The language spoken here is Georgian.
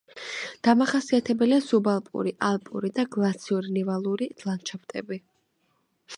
დამახასიათებელია სუბალპური, ალპური და გლაციალურ-ნივალური ლანდშაფტები.